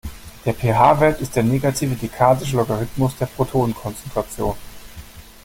Der pH-Wert ist der negative dekadische Logarithmus der Protonenkonzentration.